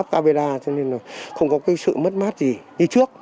không có sự mất mát gì như trước